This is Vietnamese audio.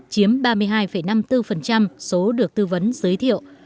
chiếm ba mươi hai năm mươi bốn số được tư vấn giới thiệu